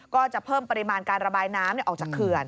ก็จะเพิ่มปริมาณการระบายน้ำออกจากเขื่อน